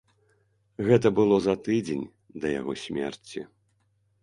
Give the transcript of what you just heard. Гэта было за тыдзень да яго смерці.